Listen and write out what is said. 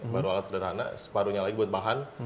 baru alat sederhana separuhnya lagi buat bahan